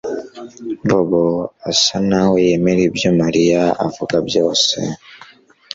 Bobo asa naho yemera ibyo Mariya avuga byose